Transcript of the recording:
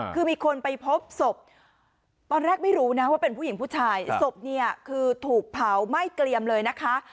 คือมีคนไปพบศพตอนแรกไม่รู้นะว่าเป็นผู้หญิงผู้ชายศพเนี่ยคือถูกเผาไหม้เกลี่ยมเลยนะคะ